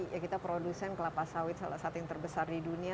ya kita produsen kelapa sawit salah satu yang terbesar di dunia